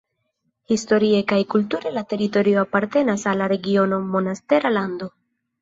Historie kaj kulture la teritorio apartenas al la regiono Monastera Lando.